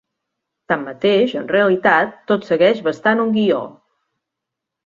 Tanmateix, en realitat, tot segueix bastant un guió.